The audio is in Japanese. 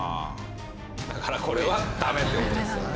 だからこれはダメという事ですよね。